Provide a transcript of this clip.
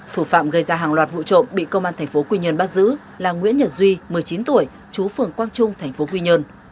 thủ phạm gây ra hàng loạt vụ trộm bị công an tp quy nhơn bắt giữ là nguyễn nhật duy một mươi chín tuổi chú phường quang trung tp quy nhơn